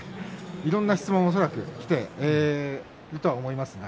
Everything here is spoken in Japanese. いろんな質問が恐らくきていると思いますが。